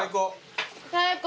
最高。